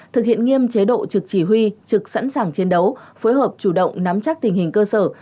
thực hiện nghiêm chế độ trực chỉ huy trực sẵn sàng chiến đấu phối hợp chủ động nắm chắc tình hình cơ sở